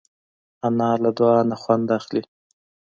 انا له دعا نه خوند اخلي